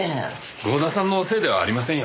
郷田さんのせいではありませんよ。